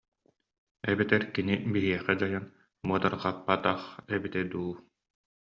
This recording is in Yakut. Эбэтэр кини биһиэхэ дьайан муодарҕаппатах эбитэ дуу